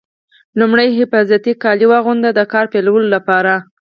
لومړی حفاظتي کالي واغوندئ د کار پیلولو لپاره.